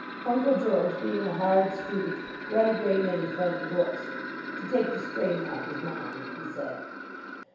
Uncle George, being a hard student, read a great many funny books "to take the strain off his mind," he said.